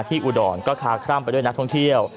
ที่อุดรก็คล้ามไปด้วยนักท่องเที่ยว